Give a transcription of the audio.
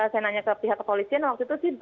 saya nanya ke pihak kepolisian waktu itu tidak